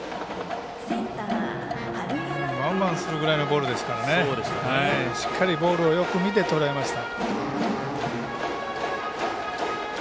ワンバンするぐらいのボールですからしっかりボールをよく見てとらえました。